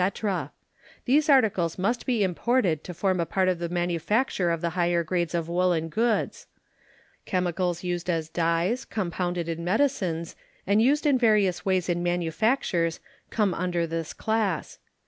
These articles must be imported to form a part of the manufacture of the higher grades of woolen goods. Chemicals used as dyes, compounded in medicines, and used in various ways in manufactures come under this class.